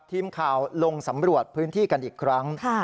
ทีมข่าวลงสำรวจพื้นที่กันอีกครั้ง